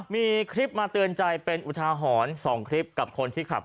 มีคลิปมาเตือนใจเป็นอุทาหรณ์๒คลิปกับคนที่ขับ